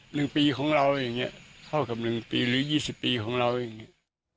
หนึ่งปีของเราอย่างเงี้ยเท่ากับหนึ่งปีหรือยี่สิบปีของเราอย่างเงี้ย